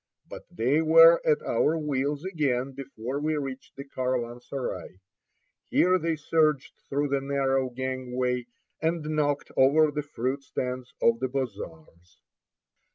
But they were at our wheels again before we reached the caravansary. Here they surged through the narrow gangway, and knocked over the fruit stands of the bazaars.